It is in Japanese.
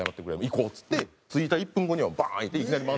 行こう」っつって着いた１分後にはバーン開いていきなり漫才したんですよ。